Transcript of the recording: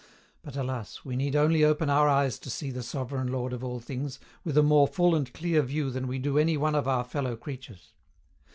But alas, we need only open our eyes to see the Sovereign Lord of all things, with a more full and clear view than we do any one of our fellow creatures.